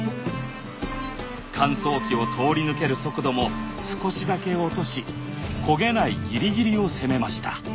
乾燥機を通り抜ける速度も少しだけ落とし焦げないぎりぎりを攻めました。